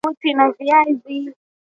Waweza kupika biskuti za viazi lishe